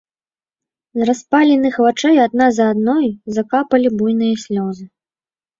З распаленых вачэй адна за адной закапалі буйныя слёзы.